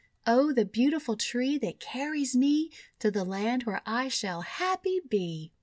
0 the beautiful Tree, that carries me To the Land where I shall happy be!''